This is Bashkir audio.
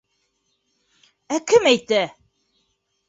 Ә кем әйтә?